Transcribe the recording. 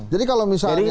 jadi kalau misalnya